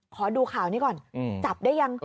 ขอดูข่าวนี้ก่อนจับได้ยัง